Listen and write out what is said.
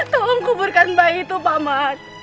tolong kuburkan bayi itu pak man